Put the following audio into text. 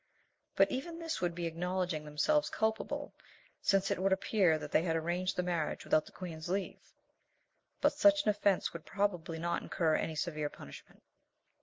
But even this would be acknowledging themselves culpable, since it would appear that they arranged the marriage without the Queen's leave; but such an offence would probably not incur any severe punishment.